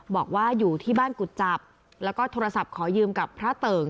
บอกว่าอยู่ที่บ้านกุจจับแล้วก็โทรศัพท์ขอยืมกับพระเติ่ง